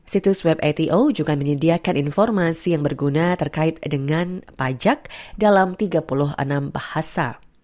situs web ato juga menyediakan informasi yang berguna terkait dengan pajak dalam tiga puluh enam bahasa